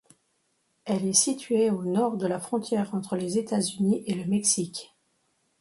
Elle est située au nord de la frontière entre les États-Unis et le Mexique.